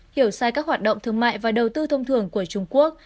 hiểu sai các hoạt động thương mại và đầu tư thông thường của trung quốc